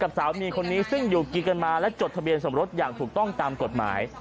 สามีคนนี้ซึ่งอยู่กินกันมาและจดทะเบียนสมรสอย่างถูกต้องตามกฎหมาย